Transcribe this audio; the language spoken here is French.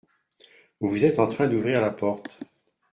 Vous êtes en train d’ouvrir la porte.